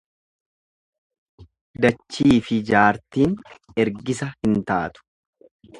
Dachiifi jaartiin ergisa hin taatu.